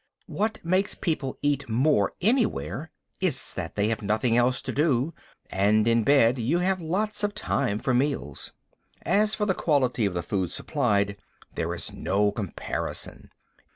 What makes people eat more anywhere is that they have nothing else to do, and in bed you have lots of time for meals. As for the quality of the food supplied, there is no comparison.